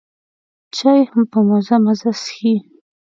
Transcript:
چای هم په مزه مزه څښي.